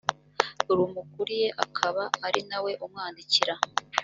rumukuriye akaba ari nawe umwandikira